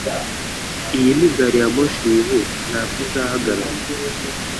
Iyi ni gari ya moshi yihuta. Ntabwo izahagarara